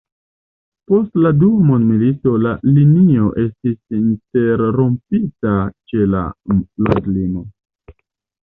Post la Dua Mondmilito la linio estis interrompita ĉe la landlimo.